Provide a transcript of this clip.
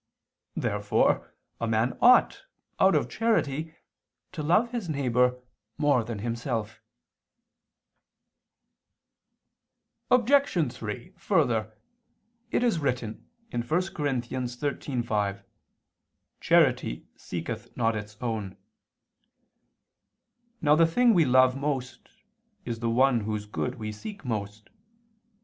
Therefore a man ought, out of charity, to love his neighbor more than himself. Obj. 3: Further, it is written (1 Cor. 13:5) "charity seeketh not its own." Now the thing we love most is the one whose good we seek most.